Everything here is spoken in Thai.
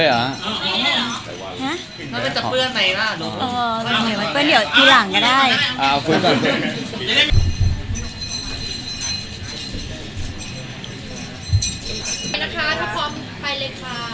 อ๋อเดี๋ยวอีหลังก็ได้